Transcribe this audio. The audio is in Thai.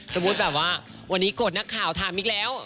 สมมุติแบบว่าวันนี้โกรธนักข่าวถามอีกแล้ว